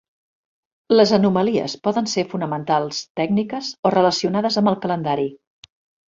Les anomalies poden ser fonamentals, tècniques o relacionades amb el calendari.